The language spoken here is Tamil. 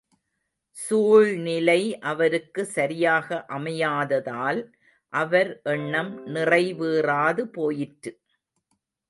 சூழ்நிலை அவருக்கு சரியாக அமையாததால், அவர் எண்ணம் நிறைவேறாது போயிற்று.